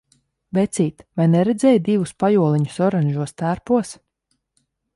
Vecīt, vai neredzēji divus pajoliņus oranžos tērpos?